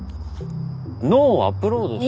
脳をアップロードして。